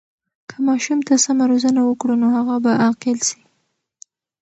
که ماشوم ته سمه روزنه وکړو، نو هغه به عاقل سي.